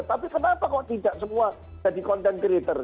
tapi kenapa kok tidak semua jadi content creator